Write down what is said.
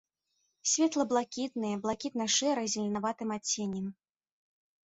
Светла-блакітныя, блакітна-шэрыя з зеленаватым адценнем.